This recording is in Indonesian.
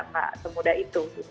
nggak semudah itu